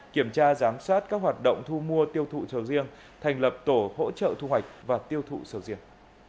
kiểm tra giám sát các hoạt động thu mua tiêu thụ sầu riêng thành lập tổ hỗ trợ thu hoạch và tiêu thụ sầu riêng